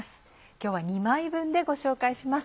今日は２枚分でご紹介します。